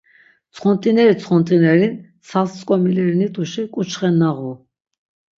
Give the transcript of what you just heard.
Tsxont̆ineri tsxont̆ineri, ntsas tzk̆omileri nit̆uşi k̆uçxe nağu.